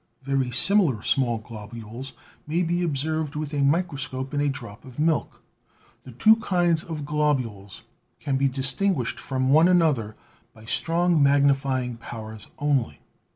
Very similar small globules may be observed with a microscope in a drop of milk. The two kinds of globules can be distinguished from one another by strong magnify ing powers only.